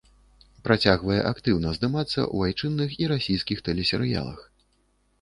Працягвае актыўна здымацца ў айчынных і расійскіх тэлесерыялах.